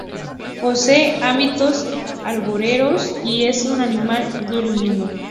Posee hábitos arbóreos y es un animal diurno.